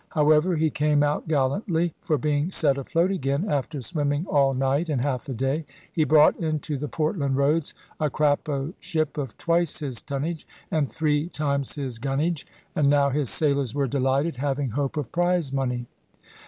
However, he came out gallantly. For being set afloat again, after swimming all night and half a day, he brought into the Portland Roads a Crappo ship of twice his tonnage, and three times his gunnage; and now his sailors were delighted, having hope of prize money.